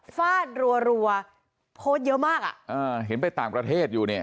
ฟาดรัวโพสต์เยอะมากอ่ะอ่าเห็นไปต่างประเทศอยู่เนี่ย